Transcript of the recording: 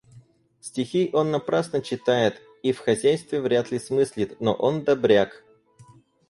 Стихи он напрасно читает и в хозяйстве вряд ли смыслит, но он добряк.